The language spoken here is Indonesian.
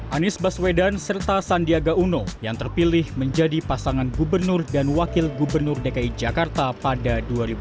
anies baswedan serta sandiaga uno yang terpilih menjadi pasangan gubernur dan wakil gubernur dki jakarta pada dua ribu dua puluh